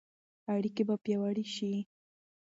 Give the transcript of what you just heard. اړیکې به پیاوړې شي.